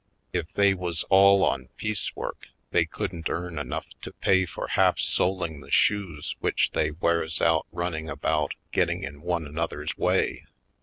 If they was all on piece work they couldn't earn enough to pay for half soling the shoes which they wears out running about getting in one another's way.